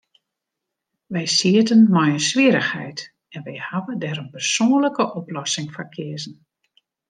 Wy sieten mei in swierrichheid, en wy hawwe dêr in persoanlike oplossing foar keazen.